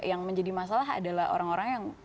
yang menjadi masalah adalah orang orang yang